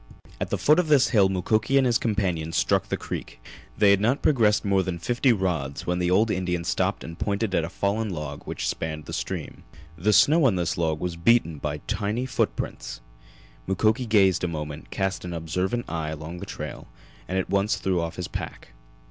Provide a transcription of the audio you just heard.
At the foot of this hill Mukoki and his companion struck the creek. They had not progressed more than fifty rods when the old Indian stopped and pointed at a fallen log which spanned the stream. The snow on this log was beaten by tiny footprints. Mukoki gazed a moment, cast an observant eye along the trail, and at once threw off his pack.